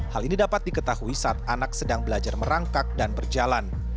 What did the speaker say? hal ini dapat diketahui saat anak sedang belajar merangkak dan berjalan